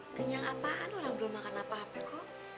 kenyang apaan orang belum makan apa apa kok